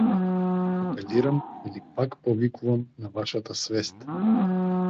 Апелирам или пак повикувам на вашата свест.